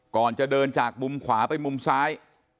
ก่อนจะเดินจากมุมขวาไปมุมซ้าย